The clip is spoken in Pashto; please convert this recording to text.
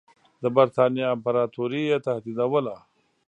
د برټانیې امپراطوري یې تهدیدوله.